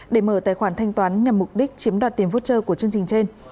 để mở tài khoản thanh toán nhằm mục đích chiếm đoạt tiền voucher của chương trình trên